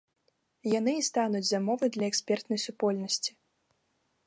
Яны і стануць замовай для экспертнай супольнасці.